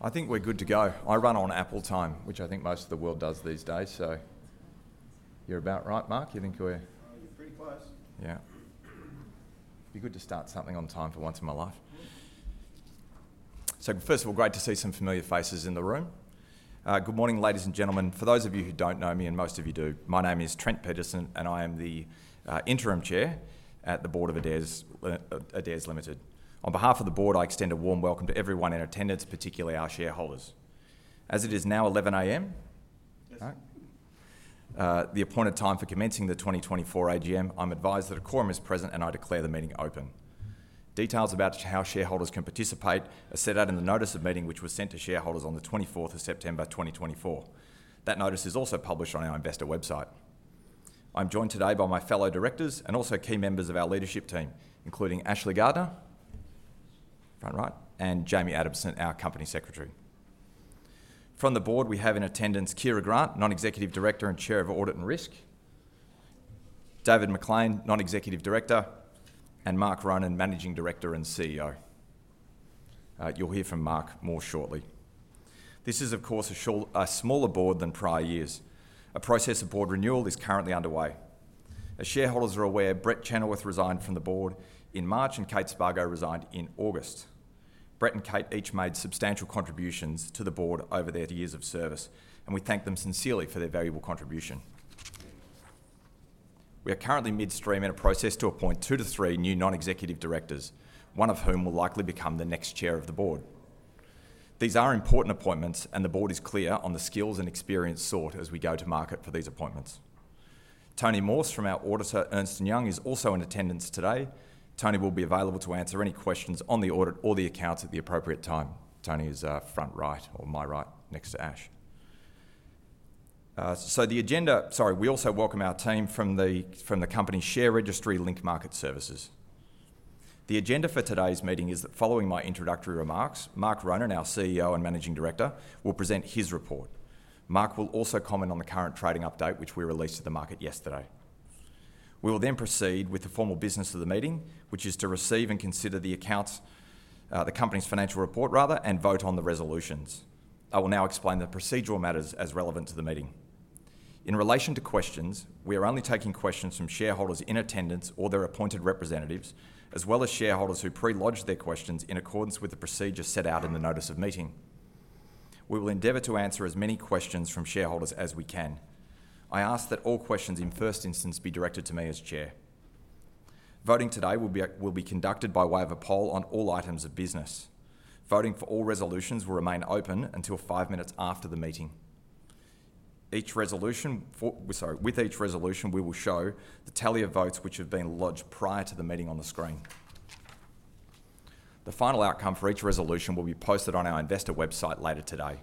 I think we're good to go. I run on Apple time, which I think most of the world does these days, so you're about right, Mark? You think you're pretty close. Yeah. Be good to start something on time for once in my life. So first of all, great to see some familiar faces in the room. Good morning, ladies and gentlemen. For those of you who don't know me, and most of you do, my name is Trent Peterson, and I am the, Interim Chair at the Board of Adairs, Adairs Limited. On behalf of the Board, I extend a warm welcome to everyone in attendance, particularly our shareholders. As it is now 11:00 A.M., right? The appointed time for commencing the 2024 AGM, I'm advised that a quorum is present, and I declare the meeting open. Details about how shareholders can participate are set out in the notice of meeting, which was sent to shareholders on the 24th of September, 2024. That notice is also published on our investor website. I'm joined today by my fellow directors and also key members of our leadership team, including Ashley Gardner, front right, and Jamie Adamson, our Company Secretary. From the Board, we have in attendance Kiera Grant, Non-Executive Director and Chair of Audit and Risk, David MacLean, Non-Executive Director, and Mark Ronan, Managing Director and CEO. You'll hear from Mark more shortly. This is, of course, a smaller Board than prior years. A process of Board renewal is currently underway. As shareholders are aware, Brett Chenoweth resigned from the Board in March, and Kate Spargo resigned in August. Brett and Kate each made substantial contributions to the Board over their years of service, and we thank them sincerely for their valuable contribution. We are currently midstream in a process to appoint two to three new non-executive directors, one of whom will likely become the next chair of the Board. These are important appointments, and the Board is clear on the skills and experience sought as we go to market for these appointments. Tony Morse from our auditor, Ernst & Young, is also in attendance today. Tony will be available to answer any questions on the audit or the accounts at the appropriate time. Tony is front right or my right, next to Ash. Sorry, we also welcome our team from the company share registry Link Market Services. The agenda for today's meeting is that following my introductory remarks, Mark Ronan, our CEO and Managing Director, will present his report. Mark will also comment on the current trading update, which we released to the market yesterday. We will then proceed with the formal business of the meeting, which is to receive and consider the accounts, the company's financial report rather, and vote on the resolutions. I will now explain the procedural matters as relevant to the meeting. In relation to questions, we are only taking questions from shareholders in attendance or their appointed representatives, as well as shareholders who pre-lodged their questions in accordance with the procedure set out in the notice of meeting. We will endeavor to answer as many questions from shareholders as we can. I ask that all questions, in first instance, be directed to me as Chair. Voting today will be conducted by way of a poll on all items of business. Voting for all resolutions will remain open until five minutes after the meeting. With each resolution, we will show the tally of votes which have been lodged prior to the meeting on the screen. The final outcome for each resolution will be posted on our investor website later today.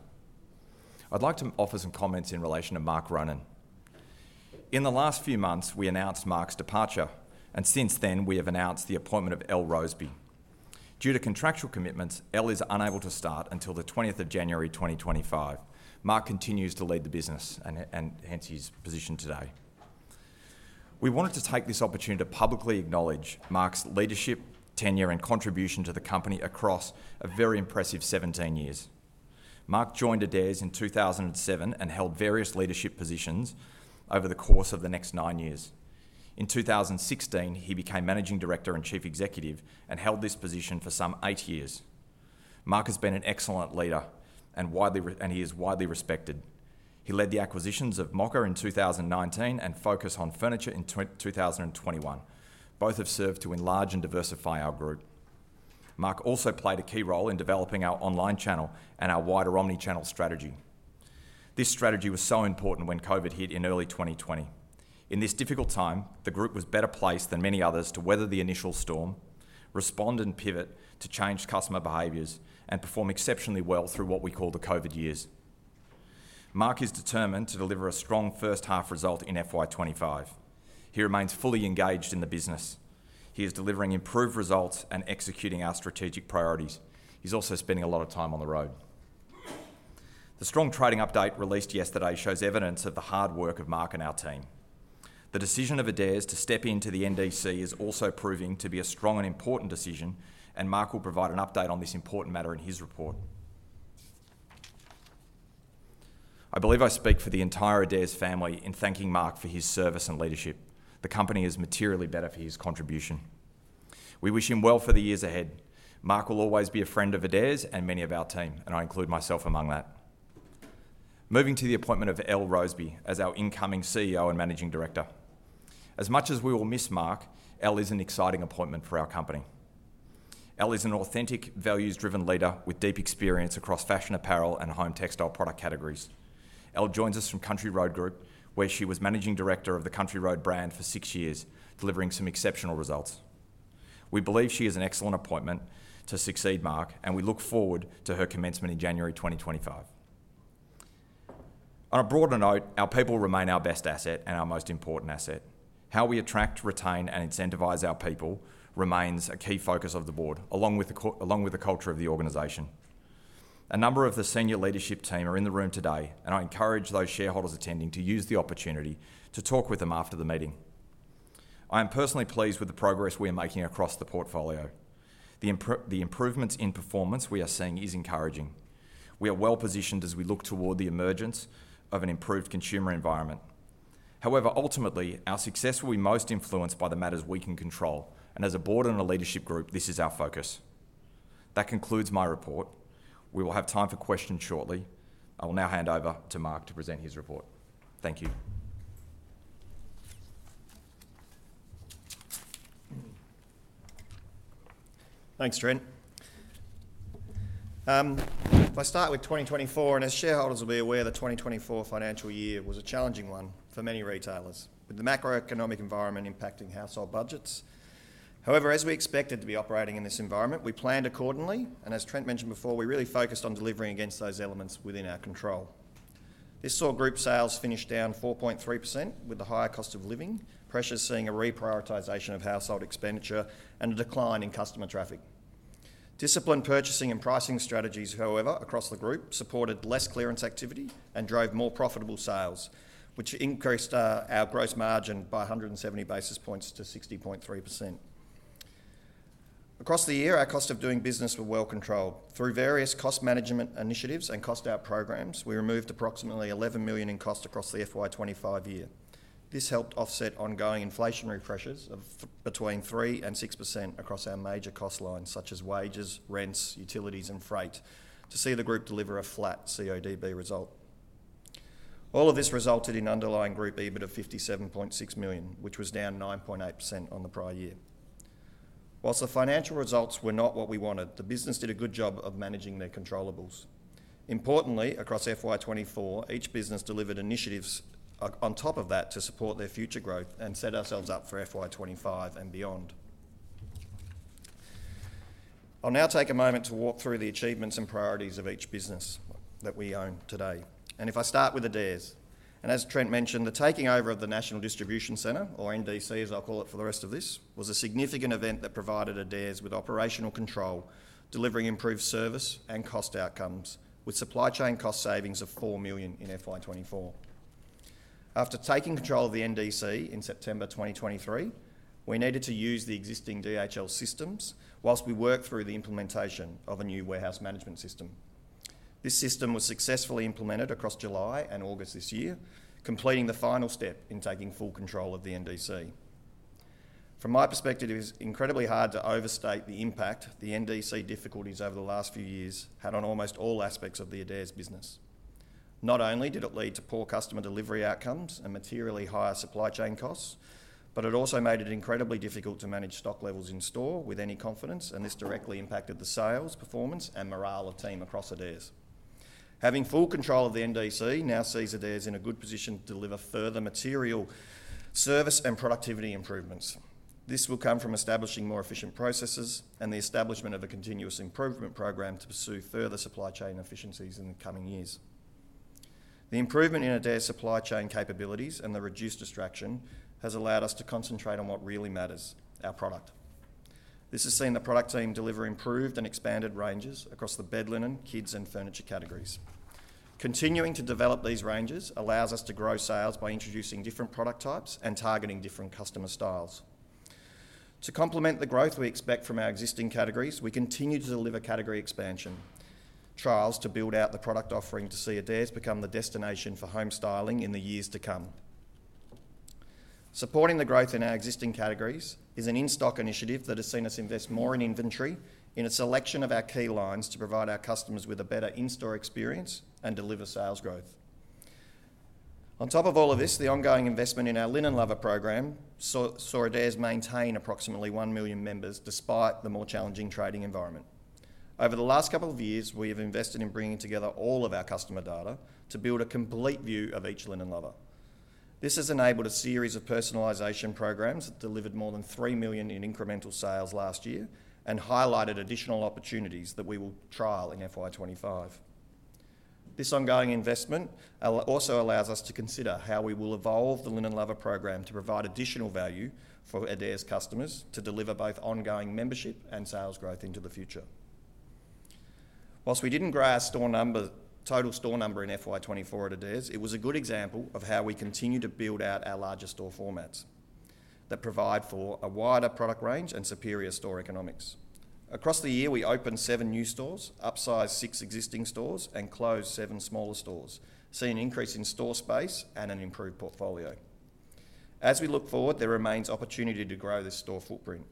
I'd like to offer some comments in relation to Mark Ronan. In the last few months, we announced Mark's departure, and since then, we have announced the appointment of Elle Roseby. Due to contractual commitments, Elle is unable to start until the 20th of January, 2025. Mark continues to lead the business, and hence his position today. We wanted to take this opportunity to publicly acknowledge Mark's leadership, tenure, and contribution to the company across a very impressive 17 years. Mark joined Adairs in 2007 and held various leadership positions over the course of the next nine years. In 2016, he became Managing Director and Chief Executive and held this position for some eight years. Mark has been an excellent leader and widely respected. He led the acquisitions of Mocka in 2019 and Focus on Furniture in 2021. Both have served to enlarge and diversify our group. Mark also played a key role in developing our online channel and our wider omni-channel strategy. This strategy was so important when COVID hit in early 2020. In this difficult time, the group was better placed than many others to weather the initial storm, respond and pivot to changed customer behaviors, and perform exceptionally well through what we call the COVID years. Mark is determined to deliver a strong first half result in FY 2025. He remains fully engaged in the business. He is delivering improved results and executing our strategic priorities. He's also spending a lot of time on the road. The strong trading update released yesterday shows evidence of the hard work of Mark and our team. The decision of Adairs to step into the NDC is also proving to be a strong and important decision, and Mark will provide an update on this important matter in his report. I believe I speak for the entire Adairs family in thanking Mark for his service and leadership. The company is materially better for his contribution. We wish him well for the years ahead. Mark will always be a friend of Adairs and many of our team, and I include myself among that. Moving to the appointment of Elle Roseby as our incoming CEO and Managing Director. As much as we will miss Mark, Elle is an exciting appointment for our company. Elle is an authentic, values-driven leader with deep experience across fashion, apparel, and home textile product categories. Elle joins us from Country Road Group, where she was Managing Director of the Country Road brand for six years, delivering some exceptional results. We believe she is an excellent appointment to succeed Mark, and we look forward to her commencement in January 2025 On a broader note, our people remain our best asset and our most important asset. How we attract, retain, and incentivize our people remains a key focus of the Board, along with the culture of the organization. A number of the senior leadership team are in the room today, and I encourage those shareholders attending to use the opportunity to talk with them after the meeting. I am personally pleased with the progress we are making across the portfolio. The improvements in performance we are seeing is encouraging. We are well-positioned as we look toward the emergence of an improved consumer environment. However, ultimately, our success will be most influenced by the matters we can control, and as a Board and a leadership group, this is our focus. That concludes my report. We will have time for questions shortly. I will now hand over to Mark to present his report. Thank you. Thanks, Trent. If I start with 2024, and as shareholders will be aware, the 2024 financial year was a challenging one for many retailers, with the macroeconomic environment impacting household budgets. However, as we expected to be operating in this environment, we planned accordingly, and as Trent mentioned before, we really focused on delivering against those elements within our control. This saw group sales finish down 4.3%, with the higher cost of living pressures seeing a reprioritization of household expenditure and a decline in customer traffic. Disciplined purchasing and pricing strategies, however, across the group, supported less clearance activity and drove more profitable sales, which increased our gross margin by 170 basis points to 60.3%. Across the year, our costs of doing business were well controlled. Through various cost management initiatives and cost out programs, we removed approximately 11 million in cost across the FY 2025 year. This helped offset ongoing inflationary pressures of between 3% and 6% across our major cost lines, such as wages, rents, utilities, and freight, to see the group deliver a flat CODB result. All of this resulted in underlying group EBIT of 57.6 million, which was down 9.8% on the prior year. Whilst the financial results were not what we wanted, the business did a good job of managing their controllables. Importantly, across FY 2024, each business delivered initiatives on top of that to support their future growth and set ourselves up for FY 2025 and beyond. I'll now take a moment to walk through the achievements and priorities of each business that we own today. If I start with Adairs, and as Trent mentioned, the taking over of the National Distribution Centre, or NDC, as I'll call it for the rest of this, was a significant event that provided Adairs with operational control, delivering improved service and cost outcomes, with supply chain cost savings of 4 million in FY 2024. After taking control of the NDC in September 2023, we needed to use the existing DHL systems while we worked through the implementation of a new warehouse management system. This system was successfully implemented across July and August this year, completing the final step in taking full control of the NDC. From my perspective, it is incredibly hard to overstate the impact the NDC difficulties over the last few years had on almost all aspects of the Adairs business. Not only did it lead to poor customer delivery outcomes and materially higher supply chain costs, but it also made it incredibly difficult to manage stock levels in store with any confidence, and this directly impacted the sales, performance, and morale of team across Adairs. Having full control of the NDC now sees Adairs in a good position to deliver further material service and productivity improvements. This will come from establishing more efficient processes and the establishment of a continuous improvement program to pursue further supply chain efficiencies in the coming years. The improvement in Adairs' supply chain capabilities and the reduced distraction has allowed us to concentrate on what really matters: our product. This has seen the product team deliver improved and expanded ranges across the bed linen, kids, and furniture categories. Continuing to develop these ranges allows us to grow sales by introducing different product types and targeting different customer styles. To complement the growth we expect from our existing categories, we continue to deliver category expansion trials to build out the product offering to see Adairs become the destination for home styling in the years to come. Supporting the growth in our existing categories is an in-stock initiative that has seen us invest more in inventory in a selection of our key lines to provide our customers with a better in-store experience and deliver sales growth. On top of all of this, the ongoing investment in our Linen Lover program saw Adairs maintain approximately one million members, despite the more challenging trading environment. Over the last couple of years, we have invested in bringing together all of our customer data to build a complete view of each Linen Lover. This has enabled a series of personalization programs that delivered more than 3 million in incremental sales last year and highlighted additional opportunities that we will trial in FY 2025. This ongoing investment also allows us to consider how we will evolve the Linen Lover program to provide additional value for Adairs customers to deliver both ongoing membership and sales growth into the future. While we didn't grow our total store number in FY 2024 at Adairs, it was a good example of how we continue to build out our larger store formats that provide for a wider product range and superior store economics. Across the year, we opened seven new stores, upsized six existing stores, and closed seven smaller stores, seeing an increase in store space and an improved portfolio. As we look forward, there remains opportunity to grow this store footprint.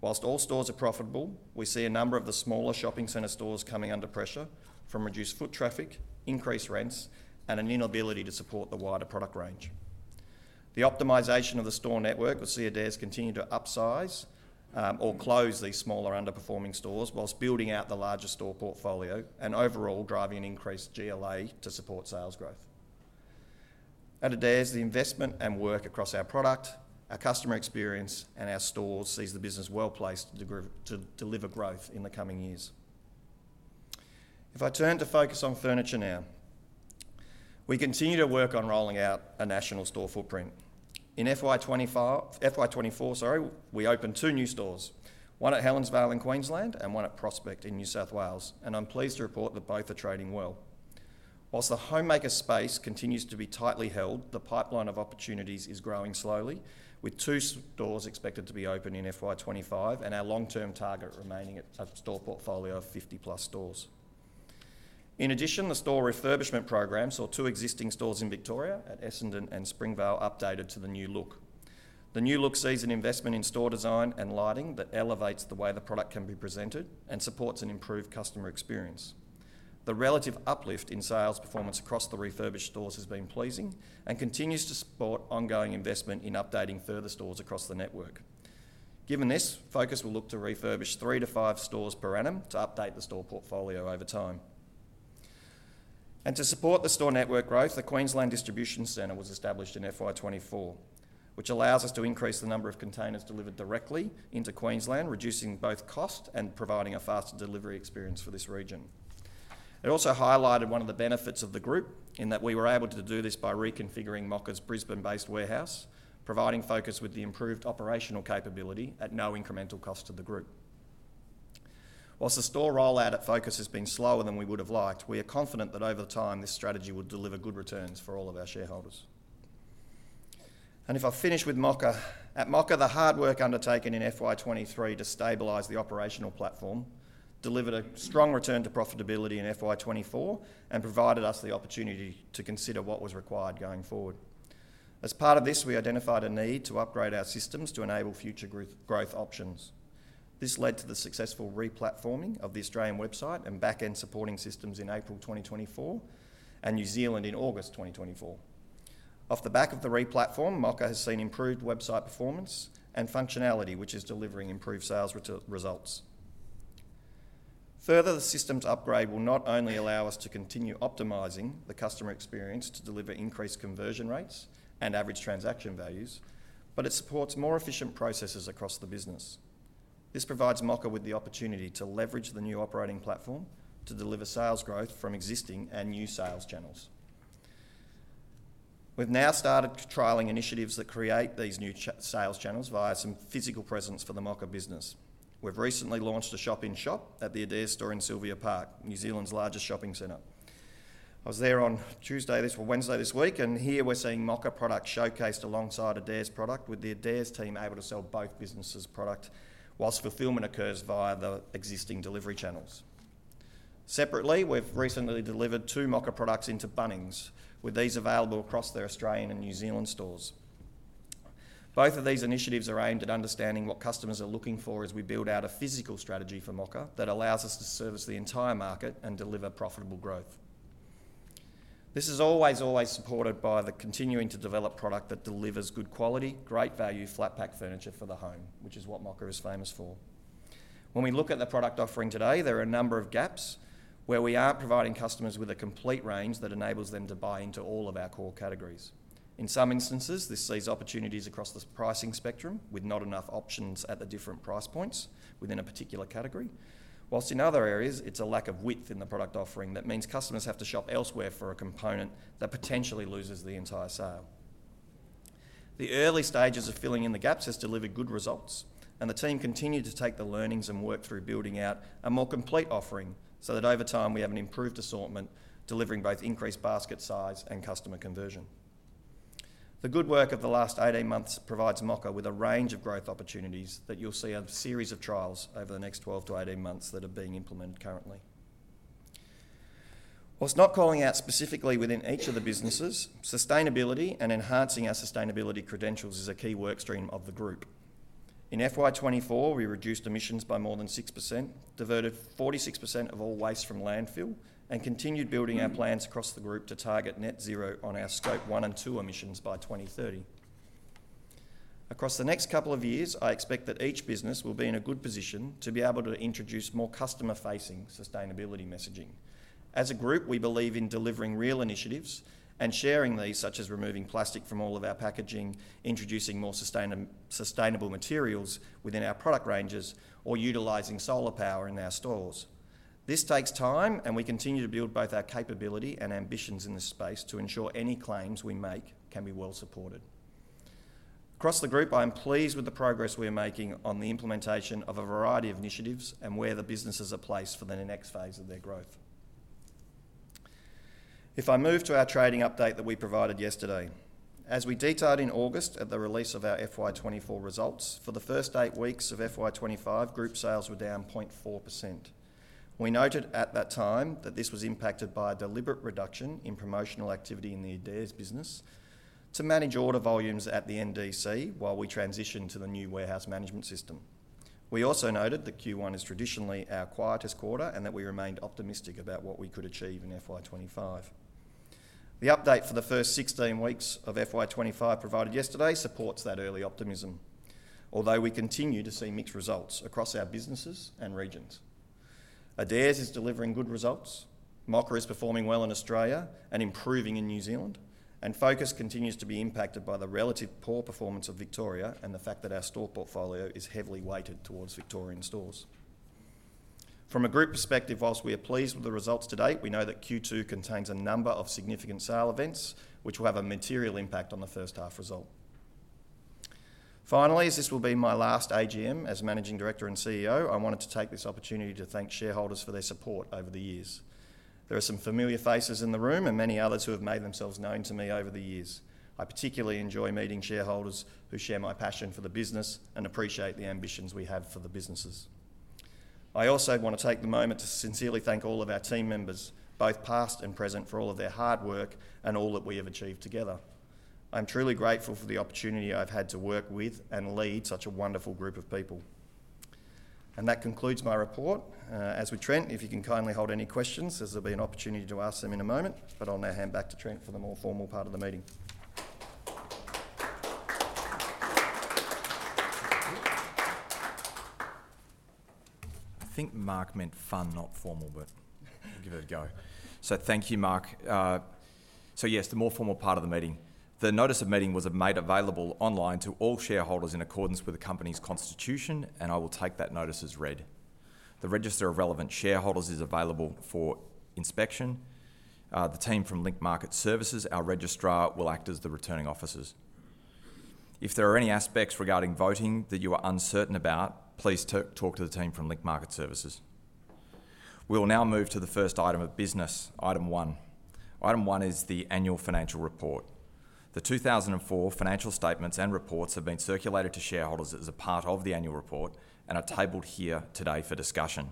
While all stores are profitable, we see a number of the smaller shopping center stores coming under pressure from reduced foot traffic, increased rents, and an inability to support the wider product range. The optimization of the store network will see Adairs continue to upsize, or close these smaller, underperforming stores, while building out the larger store portfolio and overall driving an increased GLA to support sales growth. At Adairs, the investment and work across our product, our customer experience, and our stores sees the business well-placed to deliver growth in the coming years. If I turn to Focus on Furniture now, we continue to work on rolling out a national store footprint. In FY 2024, sorry, we opened two new stores, one at Helensvale in Queensland and one at Prospect in New South Wales, and I'm pleased to report that both are trading well. Whilst the homemaker space continues to be tightly held, the pipeline of opportunities is growing slowly, with two stores expected to be open in FY 2025, and our long-term target remaining at a store portfolio of50+ stores. In addition, the store refurbishment program saw two existing stores in Victoria at Essendon and Springvale updated to the new look. The new look sees an investment in store design and lighting that elevates the way the product can be presented and supports an improved customer experience. The relative uplift in sales performance across the refurbished stores has been pleasing and continues to support ongoing investment in updating further stores across the network. Given this, Focus will look to refurbish three to five stores per annum to update the store portfolio over time. And to support the store network growth, the Queensland Distribution Centre was established in FY 2024, which allows us to increase the number of containers delivered directly into Queensland, reducing both cost and providing a faster delivery experience for this region. It also highlighted one of the benefits of the group, in that we were able to do this by reconfiguring Mocka's Brisbane-based warehouse, providing Focus with the improved operational capability at no incremental cost to the group. While the store rollout at Focus has been slower than we would have liked, we are confident that over time, this strategy will deliver good returns for all of our shareholders. And if I finish with Mocka. At Mocka, the hard work undertaken in FY 2023 to stabilize the operational platform delivered a strong return to profitability in FY 2024 and provided us the opportunity to consider what was required going forward. As part of this, we identified a need to upgrade our systems to enable future growth, growth options. This led to the successful re-platforming of the Australian website and back-end supporting systems in April 2024 and New Zealand in August 2024. Off the back of the re-platform, Mocka has seen improved website performance and functionality, which is delivering improved sales results. Further, the systems upgrade will not only allow us to continue optimizing the customer experience to deliver increased conversion rates and average transaction values, but it supports more efficient processes across the business. This provides Mocka with the opportunity to leverage the new operating platform to deliver sales growth from existing and new sales channels. We've now started trialing initiatives that create these new sales channels via some physical presence for the Mocka business. We've recently launched a shop-in-shop at the Adairs store in Sylvia Park, New Zealand's largest shopping center. I was there on Wednesday this week, and here we're seeing Mocka products showcased alongside Adairs product, with the Adairs team able to sell both businesses' product, whilst fulfillment occurs via the existing delivery channels. Separately, we've recently delivered two Mocka products into Bunnings, with these available across their Australian and New Zealand stores. Both of these initiatives are aimed at understanding what customers are looking for as we build out a physical strategy for Mocka that allows us to service the entire market and deliver profitable growth. This is always, always supported by the continuing to develop product that delivers good quality, great value, flat pack furniture for the home, which is what Mocka is famous for. When we look at the product offering today, there are a number of gaps where we aren't providing customers with a complete range that enables them to buy into all of our core categories. In some instances, this sees opportunities across the pricing spectrum, with not enough options at the different price points within a particular category. While in other areas, it's a lack of width in the product offering that means customers have to shop elsewhere for a component that potentially loses the entire sale. The early stages of filling in the gaps has delivered good results, and the team continued to take the learnings and work through building out a more complete offering, so that over time, we have an improved assortment, delivering both increased basket size and customer conversion. The good work of the last 18 months provides Mocka with a range of growth opportunities that you'll see a series of trials over the next 12 months-18 months that are being implemented currently. While not calling out specifically within each of the businesses, sustainability and enhancing our sustainability credentials is a key work stream of the group. In FY 2024, we reduced emissions by more than 6%, diverted 46% of all waste from landfill, and continued building our plans across the group to target Net Zero on our Scope 1 and 2 emissions by 2030. Across the next couple of years, I expect that each business will be in a good position to be able to introduce more customer-facing sustainability messaging. As a group, we believe in delivering real initiatives and sharing these, such as removing plastic from all of our packaging, introducing more sustainable materials within our product ranges, or utilizing solar power in our stores. This takes time, and we continue to build both our capability and ambitions in this space to ensure any claims we make can be well supported. Across the group, I am pleased with the progress we are making on the implementation of a variety of initiatives and where the businesses are placed for the next phase of their growth. If I move to our trading update that we provided yesterday. As we detailed in August at the release of our FY 2024 results, for the first eight weeks of FY 2025, group sales were down 0.4%. We noted at that time that this was impacted by a deliberate reduction in promotional activity in the Adairs business to manage order volumes at the NDC while we transition to the new warehouse management system. We also noted that Q1 is traditionally our quietest quarter and that we remained optimistic about what we could achieve in FY 2025. The update for the first 16 weeks of FY 2025 provided yesterday supports that early optimism, although we continue to see mixed results across our businesses and regions. Adairs is delivering good results. Mocka is performing well in Australia and improving in New Zealand, and Focus continues to be impacted by the relative poor performance of Victoria and the fact that our store portfolio is heavily weighted towards Victorian stores. From a group perspective, while we are pleased with the results to date, we know that Q2 contains a number of significant sale events, which will have a material impact on the first half result. Finally, as this will be my last AGM as Managing Director and CEO, I wanted to take this opportunity to thank shareholders for their support over the years. There are some familiar faces in the room, and many others who have made themselves known to me over the years. I particularly enjoy meeting shareholders who share my passion for the business and appreciate the ambitions we have for the businesses. I also want to take the moment to sincerely thank all of our team members, both past and present, for all of their hard work and all that we have achieved together. I'm truly grateful for the opportunity I've had to work with and lead such a wonderful group of people. And that concludes my report. As with Trent, if you can kindly hold any questions, as there'll be an opportunity to ask them in a moment. But I'll now hand back to Trent for the more formal part of the meeting. I think Mark meant fun, not formal, but we'll give it a go. So thank you, Mark. So yes, the more formal part of the meeting. The notice of meeting was made available online to all shareholders in accordance with the company's constitution, and I will take that notice as read. The register of relevant shareholders is available for inspection. The team from Link Market Services, our registrar, will act as the returning officers. If there are any aspects regarding voting that you are uncertain about, please talk to the team from Link Market Services. We will now move to the first item of business, item one. Item one is the annual financial report. The 2024 financial statements and reports have been circulated to shareholders as a part of the annual report and are tabled here today for discussion.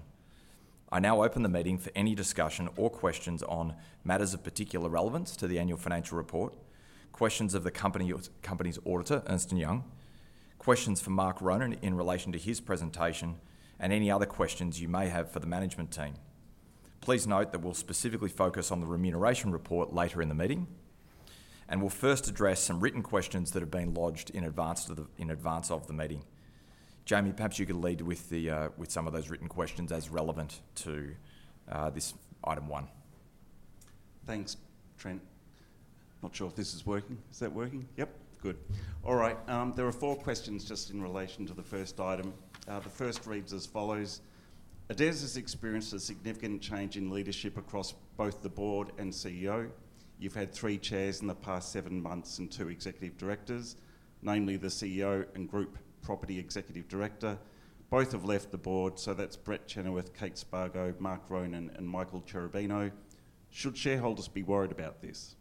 I now open the meeting for any discussion or questions on matters of particular relevance to the annual financial report, questions of the company or company's auditor, Ernst & Young, questions for Mark Ronan in relation to his presentation, and any other questions you may have for the management team. Please note that we'll specifically focus on the remuneration report later in the meeting, and we'll first address some written questions that have been lodged in advance of the meeting. Jamie, perhaps you could lead with some of those written questions as relevant to this item one. Thanks, Trent. Not sure if this is working. Is that working? Yep. Good. All right, there are four questions just in relation to the first item. The first reads as follows: "Adairs has experienced a significant change in leadership across both the Board and CEO. You've had three chairs in the past seven months and two executive directors, namely the CEO and Group Property Executive Director. Both have left the Board, so that's Brett Chenoweth, Kate Spargo, Mark Ronan, and Michael Cherubino. Should shareholders be worried about this?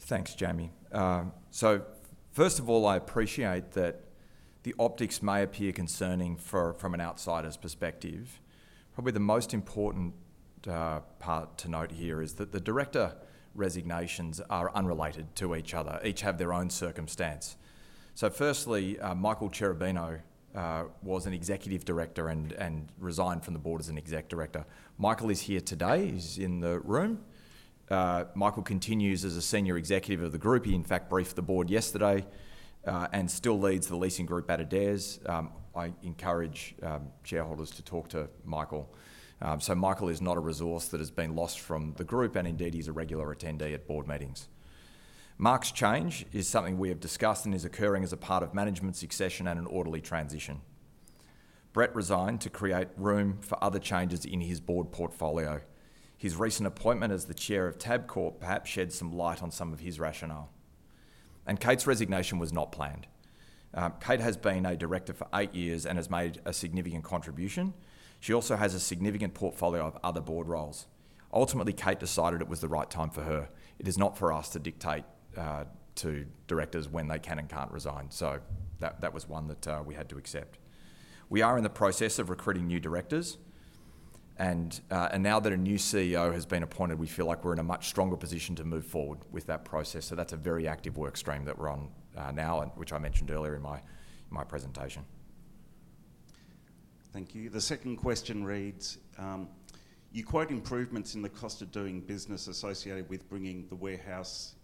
Thanks, Jamie. So first of all, I appreciate that the optics may appear concerning for, from an outsider's perspective. Probably the most important part to note here is that the director resignations are unrelated to each other. Each have their own circumstance. So firstly, Michael Cherubino was an executive director and resigned from the Board as an exec director. Michael is here today. He's in the room. Michael continues as a senior executive of the group. He, in fact, briefed the Board yesterday and still leads the leasing group at Adairs. I encourage shareholders to talk to Michael. So Michael is not a resource that has been lost from the group, and indeed, he's a regular attendee at Board meetings. Mark's change is something we have discussed and is occurring as a part of management succession and an orderly transition. Brett resigned to create room for other changes in his Board portfolio. His recent appointment as the chair of Tabcorp perhaps sheds some light on some of his rationale. And Kate's resignation was not planned. Kate has been a director for eight years and has made a significant contribution. She also has a significant portfolio of other Board roles. Ultimately, Kate decided it was the right time for her. It is not for us to dictate to directors when they can and can't resign, so that was one that we had to accept. We are in the process of recruiting new directors, and now that a new CEO has been appointed, we feel like we're in a much stronger position to move forward with that process. So that's a very active work stream that we're on now, and which I mentioned earlier in my presentation. Thank you. The second question reads: "You quote improvements in the cost of doing business associated with bringing the warehouse,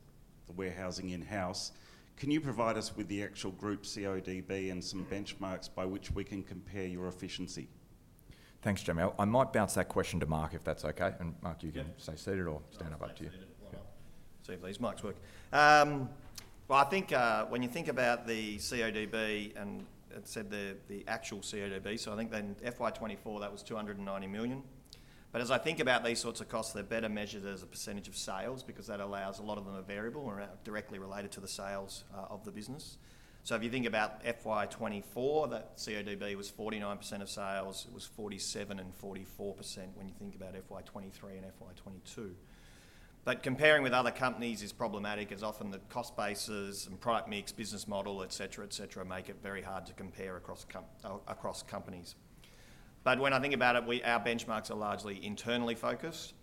the warehousing in-house. Can you provide us with the actual group CODB and some benchmarks by which we can compare your efficiency? Thanks, Jamie. I might bounce that question to Mark, if that's okay, and Mark, you can stay seated or stand up, up to you. Yeah. Stay seated. See if these mics work. I think when you think about the CODB, and it said the actual CODB, so I think then FY 2024, that was 290 million. But as I think about these sorts of costs, they're better measured as a percentage of sales, because that allows a lot of them are variable and are directly related to the sales of the business. So if you think about FY 2024, that CODB was 49% of sales. It was 47% and 44% when you think about FY 2023 and FY 2022. But comparing with other companies is problematic, as often the cost bases and product mix, business model, et cetera, et cetera, make it very hard to compare across companies. But when I think about it, we... Our benchmarks are largely internally focused,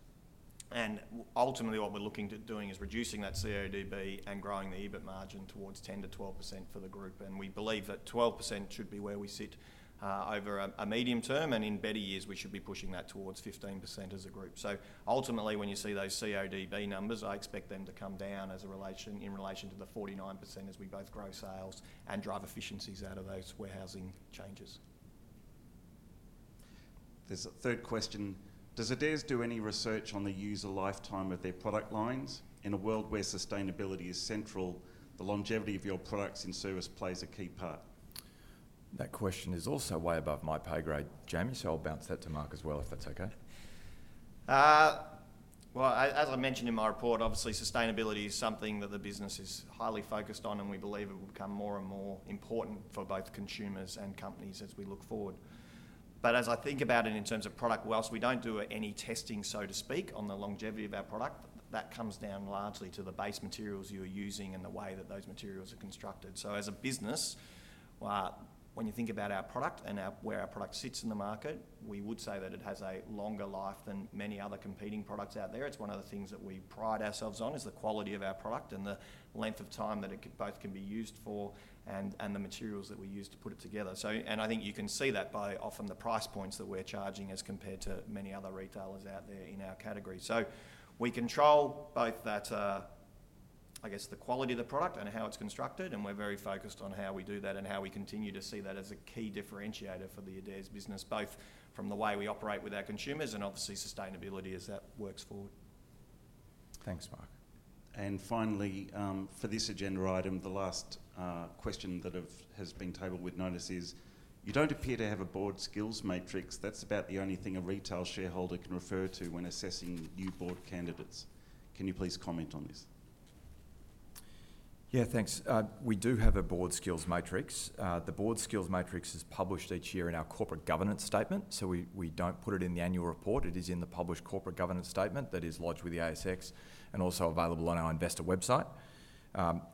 and ultimately, what we're looking to doing is reducing that CODB and growing the EBIT margin towards 10%-12% for the group, and we believe that 12% should be where we sit, over a medium term, and in better years, we should be pushing that towards 15% as a group. So ultimately, when you see those CODB numbers, I expect them to come down as a relation, in relation to the 49% as we both grow sales and drive efficiencies out of those warehousing changes. There's a third question: "Does Adairs do any research on the user lifetime of their product lines? In a world where sustainability is central, the longevity of your products and service plays a key part. ... That question is also way above my pay grade, Jamie, so I'll bounce that to Mark as well, if that's okay? As I mentioned in my report, obviously sustainability is something that the business is highly focused on, and we believe it will become more and more important for both consumers and companies as we look forward. As I think about it in terms of product sales, we don't do any testing, so to speak, on the longevity of our product. That comes down largely to the base materials you are using and the way that those materials are constructed. As a business, when you think about our product and where our product sits in the market, we would say that it has a longer life than many other competing products out there. It's one of the things that we pride ourselves on, is the quality of our product and the length of time that it both can be used for, and the materials that we use to put it together. So, and I think you can see that by often the price points that we're charging as compared to many other retailers out there in our category. So we control both that, I guess the quality of the product and how it's constructed, and we're very focused on how we do that and how we continue to see that as a key differentiator for the Adairs business, both from the way we operate with our consumers and obviously sustainability as that works forward. Thanks, Mark. Finally, for this agenda item, the last question that has been tabled with notice is: You don't appear to have a Board skills matrix. That's about the only thing a retail shareholder can refer to when assessing new Board candidates. Can you please comment on this? Yeah, thanks. We do have a Board skills matrix. The Board skills matrix is published each year in our corporate governance statement, so we don't put it in the annual report. It is in the published corporate governance statement that is lodged with the ASX, and also available on our investor website.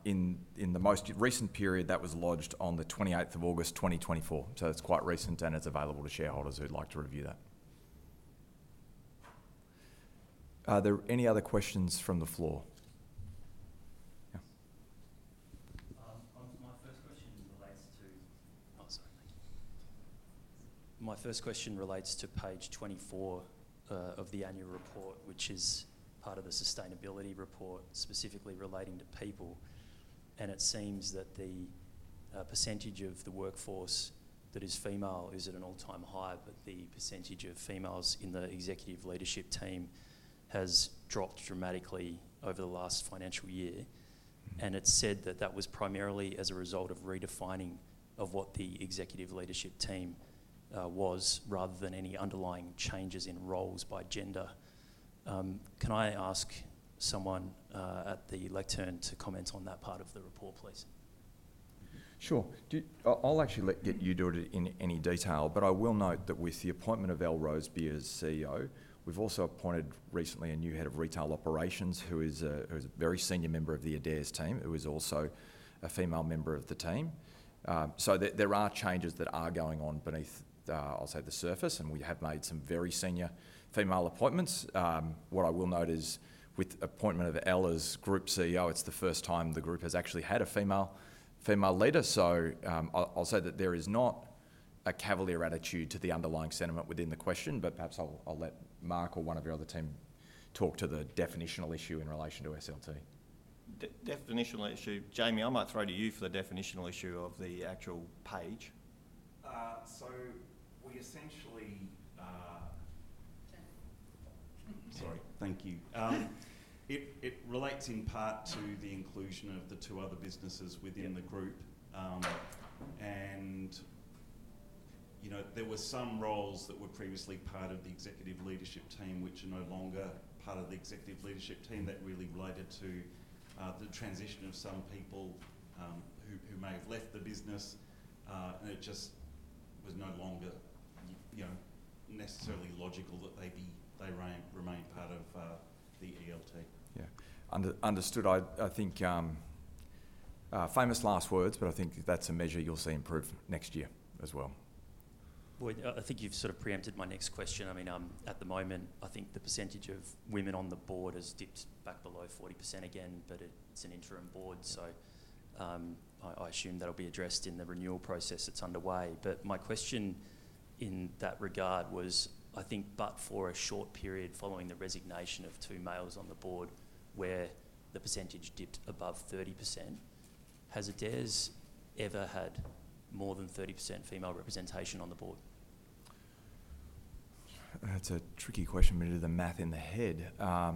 In the most recent period, that was lodged on the 28th of August, 2024. So it's quite recent, and it's available to shareholders who'd like to review that. Are there any other questions from the floor? Yeah. My first question relates to Page 24 of the annual report, which is part of the sustainability report specifically relating to people, and it seems that the percentage of the workforce that is female is at an all-time high, but the percentage of females in the executive leadership team has dropped dramatically over the last financial year. And it's said that that was primarily as a result of redefining of what the executive leadership team was, rather than any underlying changes in roles by gender. Can I ask someone at the lectern to comment on that part of the report, please? Sure. I'll actually let you do it in any detail, but I will note that with the appointment of Elle Roseby as CEO, we've also appointed recently a new head of retail operations, who is a very senior member of the Adairs team, who is also a female member of the team. So there are changes that are going on beneath, I'll say the surface, and we have made some very senior female appointments. What I will note is, with appointment of Elle as group CEO, it's the first time the group has actually had a female leader. I'll say that there is not a cavalier attitude to the underlying sentiment within the question, but perhaps I'll let Mark or one of the other team talk to the definitional issue in relation to SLT. Definitional issue, Jamie, I might throw to you for the definitional issue of the actual page. So we essentially, Jamie. Sorry, thank you. It relates in part to the inclusion of the two other businesses within the group and you know, there were some roles that were previously part of the executive leadership team, which are no longer part of the executive leadership team. That really related to the transition of some people who may have left the business and it just was no longer you know necessarily logical that they remain part of the ELT. Yeah. Understood. I think, famous last words, but I think that's a measure you'll see improved next year as well. Well, I think you've sort of preempted my next question. I mean, at the moment, I think the percentage of women on the Board has dipped back below 40% again, but it's an interim Board, so, I assume that'll be addressed in the renewal process that's underway. But my question in that regard was, I think, but for a short period following the resignation of two males on the Board, where the percentage dipped above 30%, has Adairs ever had more than 30% female representation on the Board? That's a tricky question for me to do the math in my head. Uh,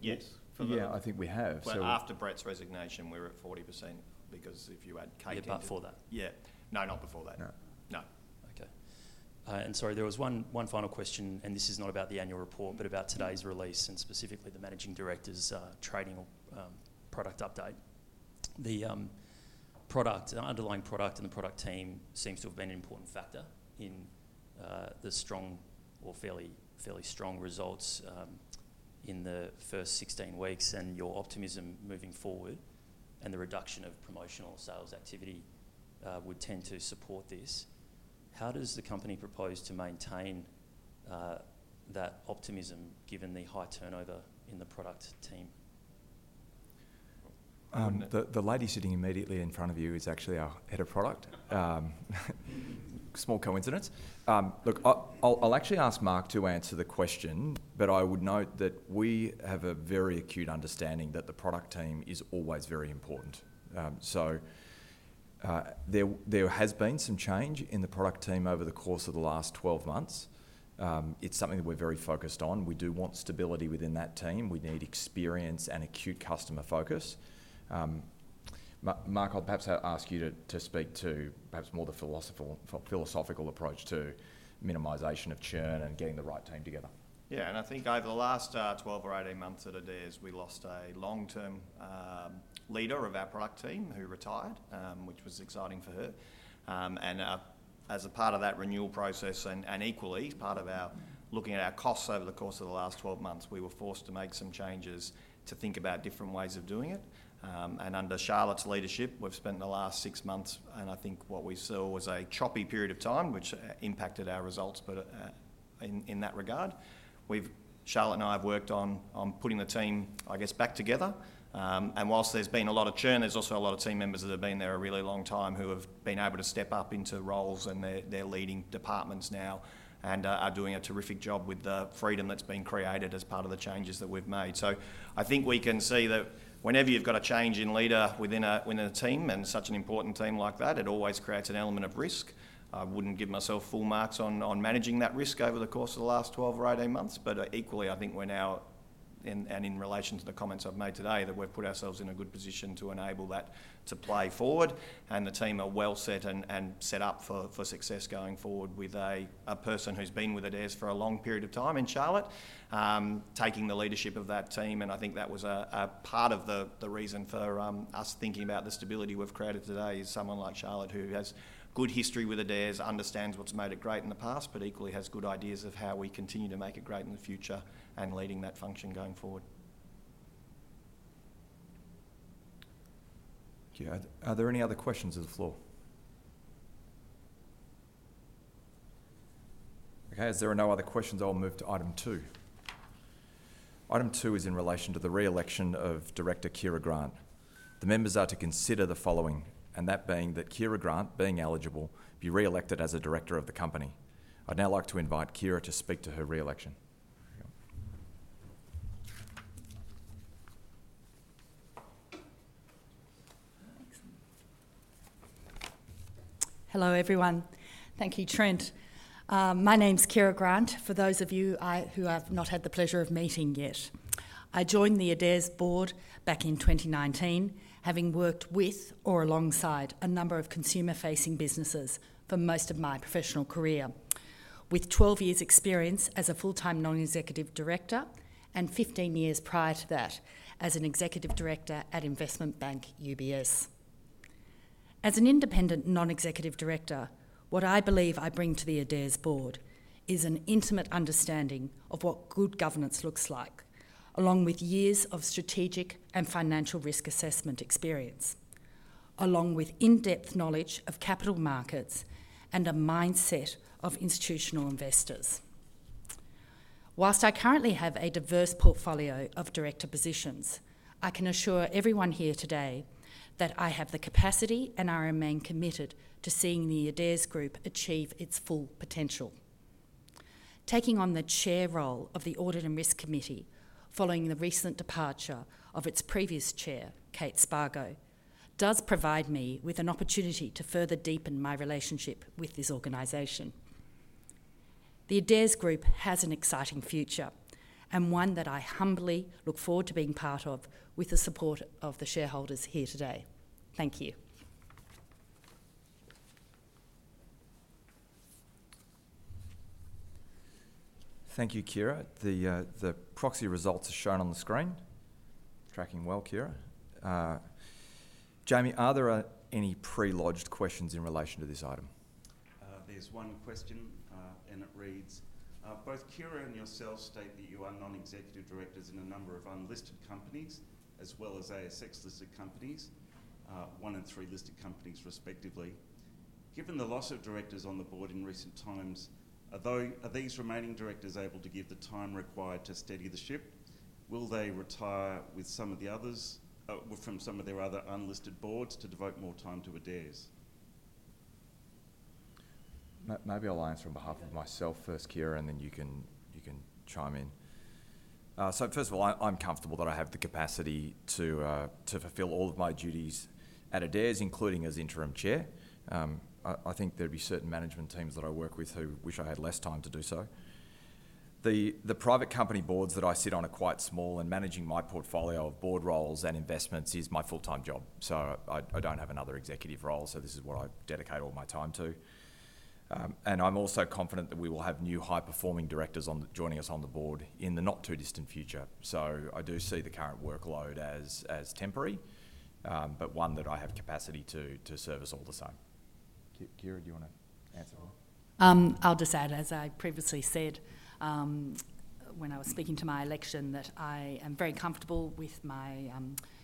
yes. Yeah, I think we have. So- After Brett's resignation, we're at 40%, because if you add Katie- Before that? Yeah. No, not before that. No. No. Okay. And sorry, there was one final question, and this is not about the annual report, but about today's release, and specifically the Managing Director's trading or product update. The product, underlying product and the product team seems to have been an important factor in the strong or fairly strong results in the first 16-weeks, and your optimism moving forward, and the reduction of promotional sales activity would tend to support this. How does the company propose to maintain that optimism given the high turnover in the product team? The lady sitting immediately in front of you is actually our head of product. Small coincidence. I'll actually ask Mark to answer the question, but I would note that we have a very acute understanding that the product team is always very important. There has been some change in the product team over the course of the last 12-months. It's something that we're very focused on. We do want stability within that team. We need experience and acute customer focus. Mark, I'll perhaps ask you to speak to perhaps more the philosophical approach to minimization of churn and getting the right team together. Yeah, and I think over the last twelve or 18-months at Adairs, we lost a long-term leader of our product team who retired, which was exciting for her, and as a part of that renewal process and equally part of our looking at our costs over the course of the last twelve months, we were forced to make some changes to think about different ways of doing it, and under Charlotte's leadership, we've spent the last 6-months, and I think what we saw was a choppy period of time, which impacted our results, but in that regard, Charlotte and I have worked on putting the team, I guess, back together. And while there's been a lot of churn, there's also a lot of team members that have been there a really long time who have been able to step up into roles, and they're leading departments now and are doing a terrific job with the freedom that's been created as part of the changes that we've made. So I think we can see that whenever you've got a change in leader within a team, and such an important team like that, it always creates an element of risk. I wouldn't give myself full marks on managing that risk over the course of the last 12 or 18 months, but equally, I think we're now in and in relation to the comments I've made today that we've put ourselves in a good position to enable that to play forward. And the team are well set and set up for success going forward with a person who's been with Adairs for a long period of time in Charlotte, taking the leadership of that team. And I think that was a part of the reason for us thinking about the stability we've created today, is someone like Charlotte, who has good history with Adairs, understands what's made it great in the past, but equally has good ideas of how we continue to make it great in the future and leading that function going forward. Thank you. Are there any other questions to the floor? Okay, as there are no other questions, I will move to item two. Item two is in relation to the re-election of Director Kiera Grant. The members are to consider the following, and that being that Kiera Grant, being eligible, be re-elected as a director of the company. I'd now like to invite Kiera to speak to her re-election. Hello, everyone. Thank you, Trent. My name's Kiera Grant, for those of you who I've not had the pleasure of meeting yet. I joined the Adairs Board back in 2019, having worked with or alongside a number of consumer-facing businesses for most of my professional career. With 12-years experience as a full-time non-executive director and 15-years prior to that as an executive director at investment bank UBS. As an independent non-executive director, what I believe I bring to the Adairs Board is an intimate understanding of what good governance looks like, along with years of strategic and financial risk assessment experience, along with in-depth knowledge of capital markets and a mindset of institutional investors. Whilst I currently have a diverse portfolio of director positions, I can assure everyone here today that I have the capacity and I remain committed to seeing the Adairs Group achieve its full potential. Taking on the chair role of the Audit and Risk Committee, following the recent departure of its previous chair, Kate Spargo, does provide me with an opportunity to further deepen my relationship with this organization. The Adairs Group has an exciting future and one that I humbly look forward to being part of, with the support of the shareholders here today. Thank you. Thank you, Kiera. The proxy results are shown on the screen. Tracking well, Kiera. Jamie, are there any pre-lodged questions in relation to this item? There's one question, and it reads: "Both Kiera and yourself state that you are non-executive directors in a number of unlisted companies, as well as ASX-listed companies, one in three listed companies, respectively. Given the loss of directors on the Board in recent times, are these remaining directors able to give the time required to steady the ship? Will they retire with some of the others, from some of their other unlisted Boards to devote more time to Adairs? Maybe I'll answer on behalf of myself first, Kiera, and then you can chime in. So first of all, I'm comfortable that I have the capacity to fulfill all of my duties at Adairs, including as interim chair. I think there'd be certain management teams that I work with who wish I had less time to do so. The private company Boards that I sit on are quite small, and managing my portfolio of Board roles and investments is my full-time job. So I don't have another executive role, so this is what I dedicate all my time to. And I'm also confident that we will have new high-performing directors joining us on the Board in the not-too-distant future. So I do see the current workload as temporary, but one that I have capacity to service all the same. Kiera, do you want to answer at all? I'll just add, as I previously said, when I was speaking to my election, that I am very comfortable with my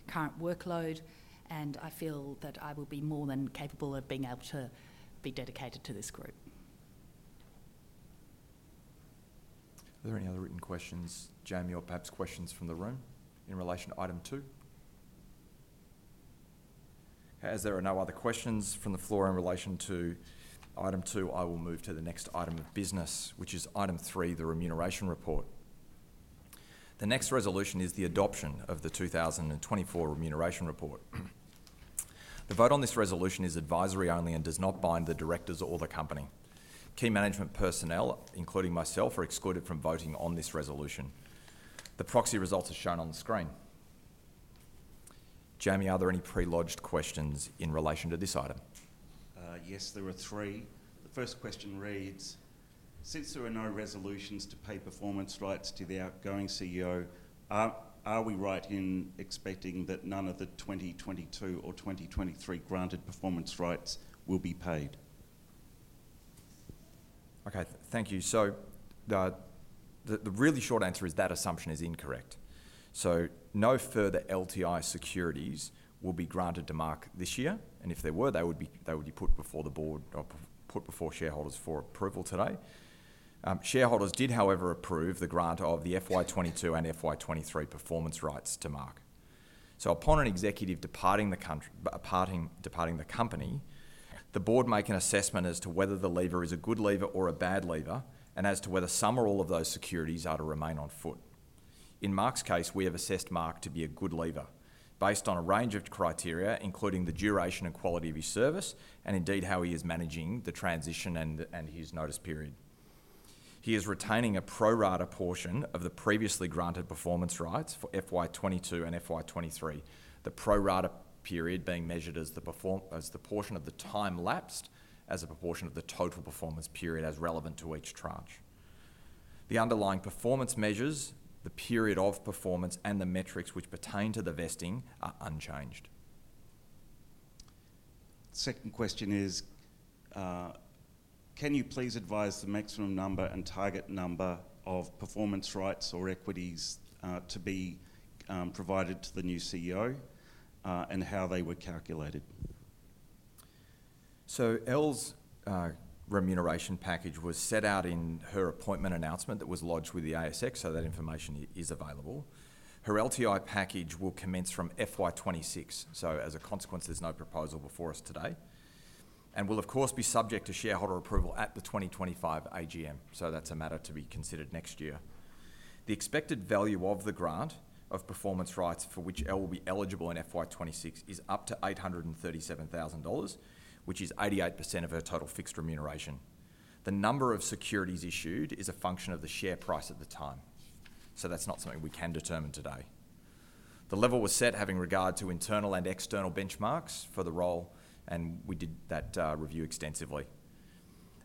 current workload, and I feel that I will be more than capable of being able to be dedicated to this group. Are there any other written questions, Jamie, or perhaps questions from the room in relation to item two? As there are no other questions from the floor in relation to item two, I will move to the next item of business, which is Item 3, the Remuneration Report. The next resolution is the adoption of the 2024 Remuneration Report. The vote on this resolution is advisory only and does not bind the directors or the company.... Key management personnel, including myself, are excluded from voting on this resolution. The proxy results are shown on the screen. Jamie, are there any pre-lodged questions in relation to this item? Yes, there are three. The first question reads: Since there are no resolutions to pay performance rights to the outgoing CEO, are we right in expecting that none of the 2022 or 2023 granted performance rights will be paid? Okay, thank you. So, the really short answer is that assumption is incorrect. So no further LTI securities will be granted to Mark this year, and if they were, they would be put before the Board or put before shareholders for approval today. Shareholders did, however, approve the grant of the FY 2022 and FY 2023 performance rights to Mark. So upon an executive departing the company, the Board make an assessment as to whether the leaver is a good leaver or a bad leaver, and as to whether some or all of those securities are to remain on foot. In Mark's case, we have assessed Mark to be a good leaver based on a range of criteria, including the duration and quality of his service, and indeed, how he is managing the transition and his notice period. He is retaining a pro rata portion of the previously granted performance rights for FY 2022 and FY 2023. The pro rata period being measured as the portion of the time lapsed, as a proportion of the total performance period, as relevant to each tranche. The underlying performance measures, the period of performance, and the metrics which pertain to the vesting are unchanged. Second question is: Can you please advise the maximum number and target number of performance rights or equities to be provided to the new CEO and how they were calculated? So Elle's remuneration package was set out in her appointment announcement that was lodged with the ASX, so that information is available. Her LTI package will commence from FY 2026, so as a consequence, there's no proposal before us today, and will of course be subject to shareholder approval at the 2025 AGM, so that's a matter to be considered next year. The expected value of the grant of performance rights for which Elle will be eligible in FY 2026 is up to 837,000 dollars, which is 88% of her total fixed remuneration. The number of securities issued is a function of the share price at the time, so that's not something we can determine today. The level was set having regard to internal and external benchmarks for the role, and we did that review extensively.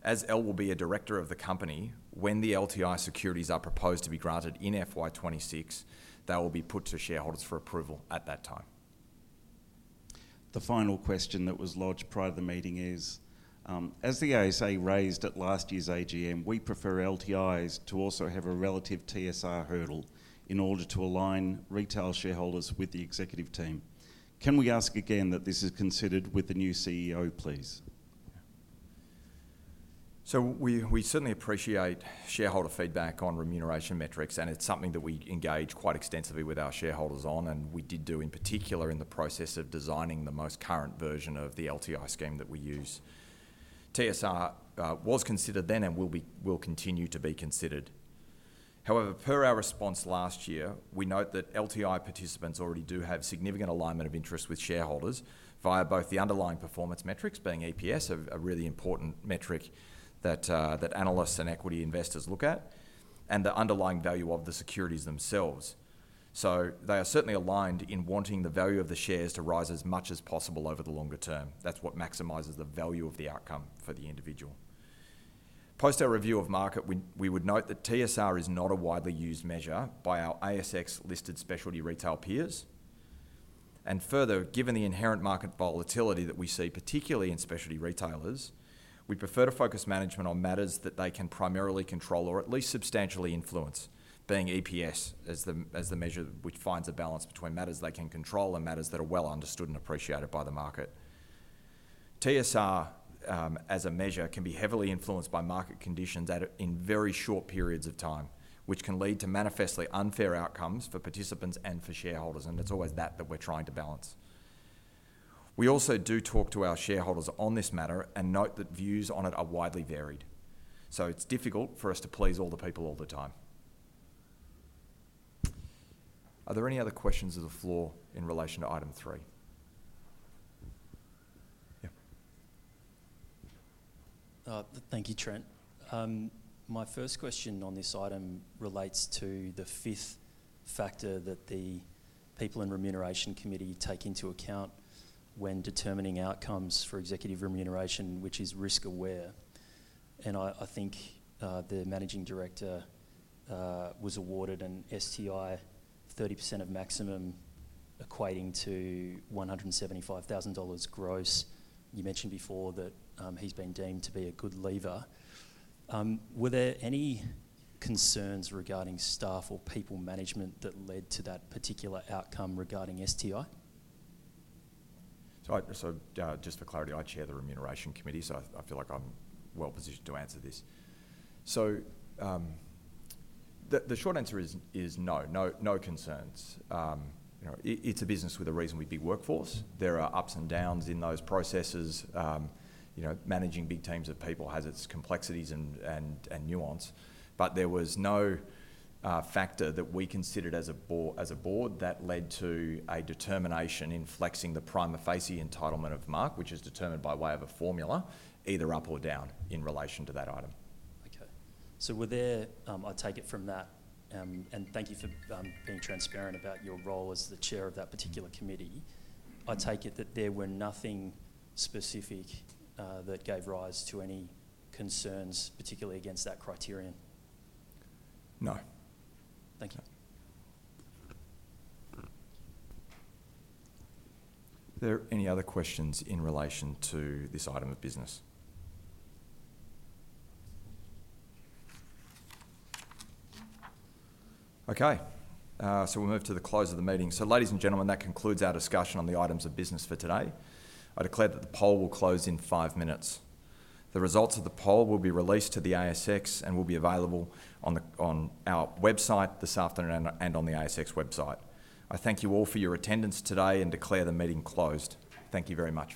As Elle will be a director of the company, when the LTI securities are proposed to be granted in FY 2026, they will be put to shareholders for approval at that time. The final question that was lodged prior to the meeting is: As the ASA raised at last year's AGM, we prefer LTIs to also have a relative TSR hurdle in order to align retail shareholders with the executive team. Can we ask again that this is considered with the new CEO, please? So we certainly appreciate shareholder feedback on remuneration metrics, and it's something that we engage quite extensively with our shareholders on, and we did do, in particular, in the process of designing the most current version of the LTI scheme that we use. TSR was considered then and will be, will continue to be considered. However, per our response last year, we note that LTI participants already do have significant alignment of interest with shareholders via both the underlying performance metrics, being EPS, a really important metric that analysts and equity investors look at, and the underlying value of the securities themselves. So they are certainly aligned in wanting the value of the shares to rise as much as possible over the longer term. That's what maximizes the value of the outcome for the individual. Following our review of the market, we would note that TSR is not a widely used measure by our ASX-listed specialty retail peers, and further, given the inherent market volatility that we see, particularly in specialty retailers, we prefer to focus management on matters that they can primarily control or at least substantially influence, being EPS as the measure which finds a balance between matters they can control and matters that are well understood and appreciated by the market. TSR, as a measure, can be heavily influenced by market conditions in very short periods of time, which can lead to manifestly unfair outcomes for participants and for shareholders, and it's always that we're trying to balance. We also do talk to our shareholders on this matter and note that views on it are widely varied, so it's difficult for us to please all the people all the time. Are there any other questions of the floor in relation to item three? Yeah. Thank you, Trent. My first question on this item relates to the fifth factor that the people in the Remuneration Committee take into account when determining outcomes for executive remuneration, which is risk-aware. I think the Managing Director was awarded an STI 30% of maximum, equating to 175,000 dollars gross. You mentioned before that he's been deemed to be a good leaver. Were there any concerns regarding staff or people management that led to that particular outcome regarding STI? So, just for clarity, I chair the Remuneration Committee, so I feel like I'm well positioned to answer this. So, the short answer is no. No concerns. You know, it's a business with a reasonably big workforce. There are ups and downs in those processes. You know, managing big teams of people has its complexities and nuance, but there was no factor that we considered as a Board that led to a determination in flexing the prima facie entitlement of Mark, which is determined by way of a formula, either up or down in relation to that item. Okay. I take it from that, and thank you for being transparent about your role as the chair of that particular committee. I take it that there were nothing specific that gave rise to any concerns, particularly against that criterion? No. Thank you. Are there any other questions in relation to this item of business? Okay, so we'll move to the close of the meeting. So ladies and gentlemen, that concludes our discussion on the items of business for today. I declare that the poll will close in five minutes. The results of the poll will be released to the ASX and will be available on the, on our website this afternoon and, and on the ASX website. I thank you all for your attendance today and declare the meeting closed. Thank you very much.